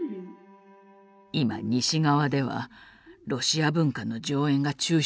今西側ではロシア文化の上演が中止されています。